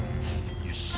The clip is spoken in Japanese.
よし。